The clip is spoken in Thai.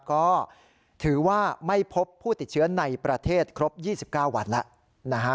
ก็ถือว่าไม่พบผู้ติดเชื้อในประเทศครบ๒๙วันแล้วนะฮะ